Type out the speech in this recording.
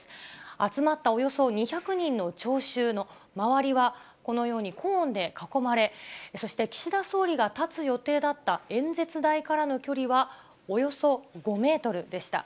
集まったおよそ２００人の聴衆の周りは、このようにコーンで囲まれ、そして岸田総理が立つ予定だった演説台からの距離は、およそ５メートルでした。